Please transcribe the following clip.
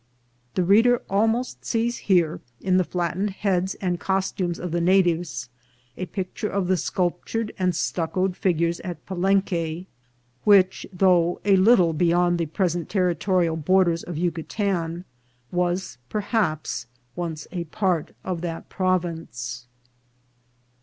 The read er almost sees here, in the flatted heads and costumes of the natives, a picture of the sculptured and stuccoed figures at Palenque, which, though a little beyond the present territorial borders of Yucatan, was perhaps once a part of that province.